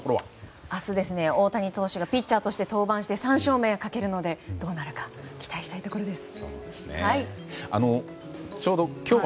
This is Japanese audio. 明日、大谷選手がピッチャーとして登板をして３勝目をかけるのでどうなるか期待したいところです。